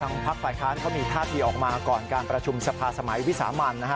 ทางพักฝ่ายค้านเขามีทาสดีออกมาก่อนการประชุมสมัยวิสามัญ